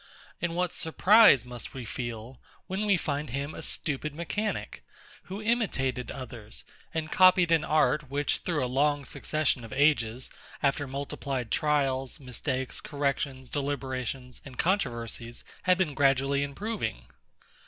And what surprise must we feel, when we find him a stupid mechanic, who imitated others, and copied an art, which, through a long succession of ages, after multiplied trials, mistakes, corrections, deliberations, and controversies, had been gradually improving?